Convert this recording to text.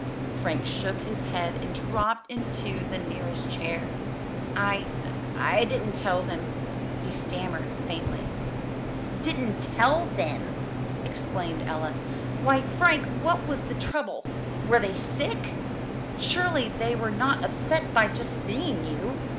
Frank shook his head and dropped into the nearest chair. "I I didn't tell them," he stammered faintly. "Didn't tell them!" exclaimed Ella. "Why, Frank, what was the trouble? Were they sick? Surely, they were not upset by just seeing you!"